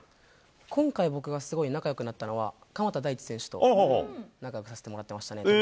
今回、僕がすごい仲よくなったのは、鎌田大地選手と仲よくさせてもらってましたね。